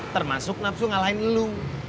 termasuk nafsu ngalahin lo